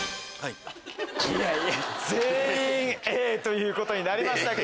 全員Ａということになりました。